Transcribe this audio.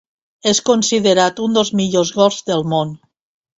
És considerat un dels millors golfs del món.